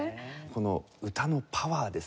この歌のパワーですね